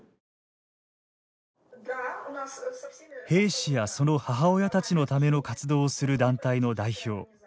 兵士や、その母親たちのための活動をする団体の代表